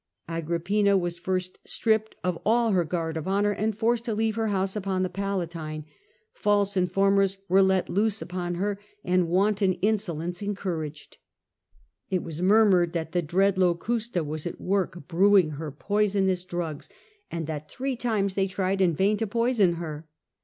Agrippina and Octavia. Stripped of all her guard of honour and forced to leave her house upon the Palatine; false informers were let loose upon her and wanton insolence Theattempts cncouraged. It was murmured that the dread Ag?i°pp1na Locusta was at work brewing her poisonous failed. drugs, and that three times they tried in vain to poison her.